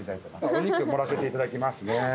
お肉盛らせていただきますね。